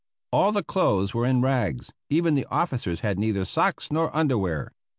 All the clothes were in rags; even the officers had neither socks nor underwear.